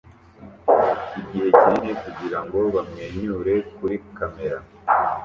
igihe kinini kugirango bamwenyure kuri kamera